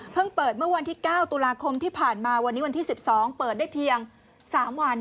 เปิดเมื่อวันที่๙ตุลาคมที่ผ่านมาวันนี้วันที่๑๒เปิดได้เพียง๓วัน